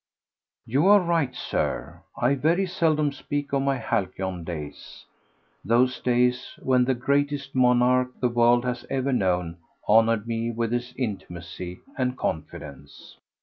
You are right, Sir, I very seldom speak of my halcyon days—those days when the greatest monarch the world has ever known honoured me with his intimacy and confidence.